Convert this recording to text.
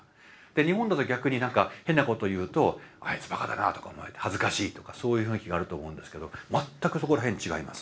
日本だと逆に何か変なこと言うと「あいつばかだな」とか「お前恥ずかしい」とかそういう雰囲気があると思うんですけど全くそこらへん違います。